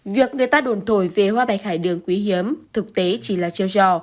việc người ta đồn thổi về hoa bạch hải đường quý hiếm thực tế chỉ là chiêu trò